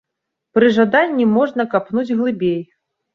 Пры жаданні можна капнуць глыбей.